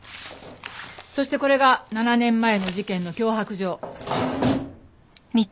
そしてこれが７年前の事件の脅迫状。